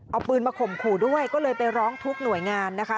เอาปืนมาข่มขู่ด้วยก็เลยไปร้องทุกหน่วยงานนะคะ